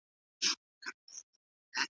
تازه مېوې د هضم په سیسټم کې خورا مرسته کوي.